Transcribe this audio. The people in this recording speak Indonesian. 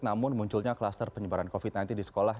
namun munculnya kluster penyebaran covid sembilan belas di sekolah